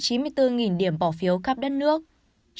với hơn chín mươi bốn điểm bỏ phiếu khắp đất nước